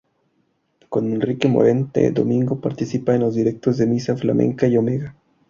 Con Enrique Morente, Domingo participa en los directos de "Misa Flamenca" y "Omega".